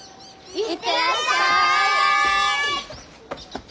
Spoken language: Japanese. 行ってらっしゃい！